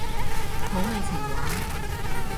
土味情話